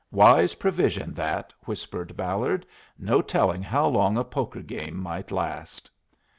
'" "Wise provision that," whispered Ballard. "No telling how long a poker game might last."